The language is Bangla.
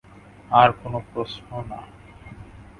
আর কোনো প্রশ্ন না।